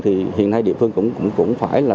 thì hiện nay địa phương cũng phải là